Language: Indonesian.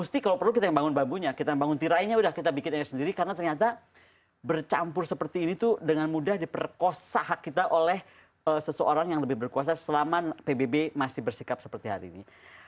pasti kalau perlu kita yang bangun bambunya kita yang bangun tirainya udah kita bikin ini sendiri karena ternyata bercampur seperti ini tuh dengan mudah diperkosa hak kita oleh seseorang yang lebih berkuasa selama pbb masih bersikap seperti hari ini